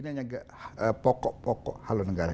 ini hanya pokok pokok haluan negara